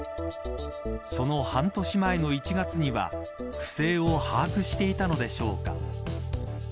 その半年前の１月には不正を把握していたのでしょうか。